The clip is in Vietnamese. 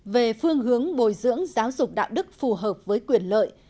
về phương hướng bồi dưỡng giáo dục đạo đức phù hợp với quyền lợi